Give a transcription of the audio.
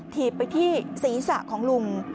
ถีบไปที่ศีรษะของลุง